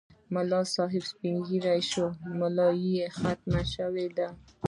ملک صاحب هم سپین ږیری شو، ملایې خم شوې ده.